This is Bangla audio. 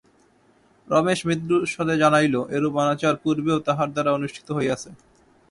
রমেশ মৃদুস্বরে জানাইল, এরূপ অনাচার পূর্বেও তাহার দ্বারা অনুষ্ঠিত হইয়াছে।